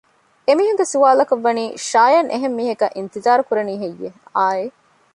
އެމީހުންގެ ސުވާލަކަށް ވަނީ ޝާޔަން އެހެން މީހަކަށް އިންތިޒާރު ކުރަނީ ހެއްޔެވެ؟ އާއެއް